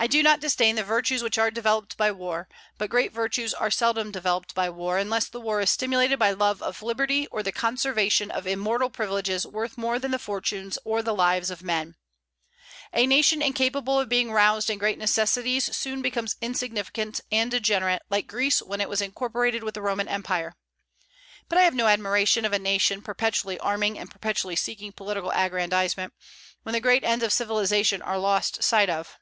I do not disdain the virtues which are developed by war; but great virtues are seldom developed by war, unless the war is stimulated by love of liberty or the conservation of immortal privileges worth more than the fortunes or the lives of men. A nation incapable of being roused in great necessities soon becomes insignificant and degenerate, like Greece when it was incorporated with the Roman empire; but I have no admiration of a nation perpetually arming and perpetually seeking political aggrandizement, when the great ends of civilization are lost sight of.